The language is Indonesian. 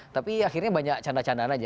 tapi akhirnya banyak canda candaan aja